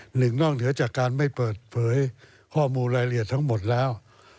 หนึ่งนอกเหนือจากการไม่เปิดเผยข้อมูลรายละเอียดทั้งหมดแล้ว